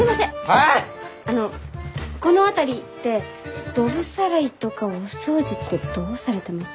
あのこの辺りってドブさらいとかお掃除ってどうされてます？